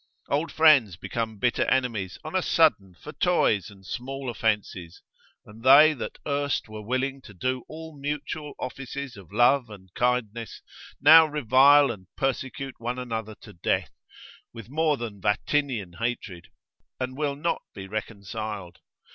Old friends become bitter enemies on a sudden for toys and small offences, and they that erst were willing to do all mutual offices of love and kindness, now revile and persecute one another to death, with more than Vatinian hatred, and will not be reconciled.